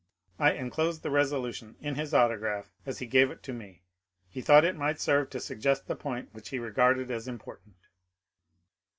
I enclose the resolution, in his autograph, as he gave it to me. He thought it might serve to suggest the point which he regarded as important.